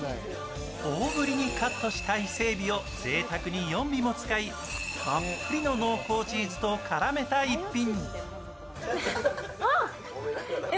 大ぶりにカットしたイセエビをぜいたくに４尾も使いたっぷりの濃厚チーズと絡めた１品。